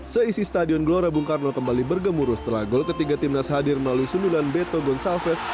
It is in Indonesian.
seisi stadion gelora bung karno kembali bergemuruh setelah gol ketiga timnas hadir melalui sundulan beto gonsalves